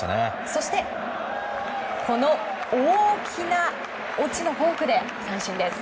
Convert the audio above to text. そして大きな落ちのフォークで三振です。